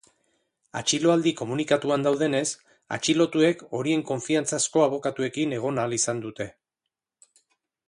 Atxiloaldi komunikatuan daudenez, atxilotuek horien konfiantzazko abokatuekin egon ahal izan dute.